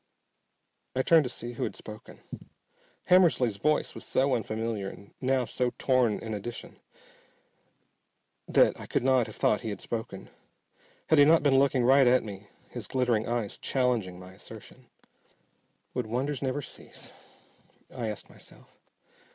I turned to see who had spoken. Hammersly's voice was so unfamiliar and now so torn in addition that I could not have thought he had spoken, had he not been looking right at me, his glittering eyes challenging my assertion. Would wonders never cease? I asked myself.